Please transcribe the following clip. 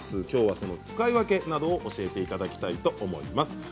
きょうは、その使い分けなどを教えていただきたいと思います。